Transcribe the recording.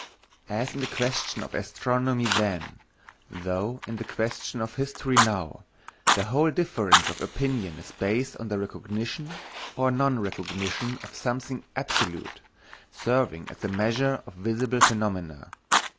As in the question of astronomy then, so in the question of history now, the whole difference of opinion is based on the recognition or nonrecognition of something absolute, serving as the measure of visible phenomena.